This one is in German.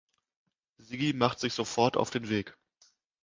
Siggi macht sich sofort auf den Weg.